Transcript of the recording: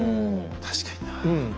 確かになあ。